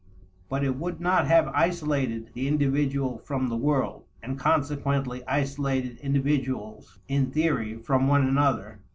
But it would not have isolated the individual from the world, and consequently isolated individuals in theory from one another.